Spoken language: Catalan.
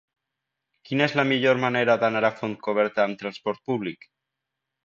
Quina és la millor manera d'anar a Fontcoberta amb trasport públic?